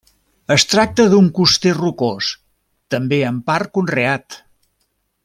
Es tracta d'un coster rocós, també en part conreat.